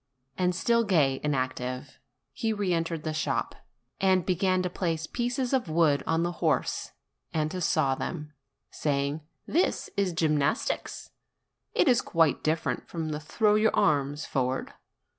And still gay and active, he re entered the shop, and began to place pieces of wood on the horse and to saw them, saying : "This is gymnastics : it is quite different from the throw your arms forward.